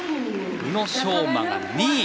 宇野昌磨が２位。